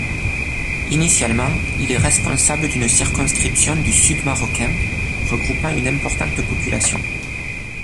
Initialement, il est responsable d’une circonscription du Sud marocain, regroupant une importante population.